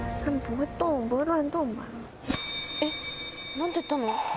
何て言ったの？